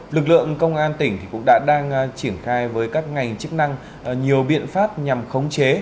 lực lượng công an tỉnh cũng đã đang triển khai với các ngành chức năng nhiều biện pháp nhằm khống chế